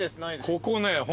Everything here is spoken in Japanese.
ここね。